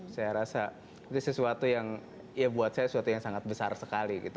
saya rasa itu sesuatu yang ya buat saya sesuatu yang sangat besar sekali gitu